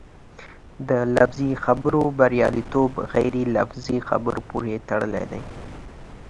د لفظي خبرو بریالیتوب غیر لفظي خبرو پورې تړلی دی.